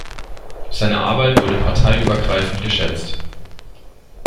Seine Arbeit wurde parteiübergreifend geschätzt.